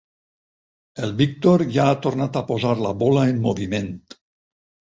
El Víctor ja ha tornat a posar la bola en moviment.